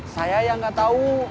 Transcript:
saya yang gak tau